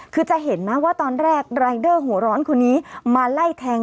คือจะเห็นนะว่าตอนแรกรายเดอร์หัวร้อนคนนี้มาไล่แทง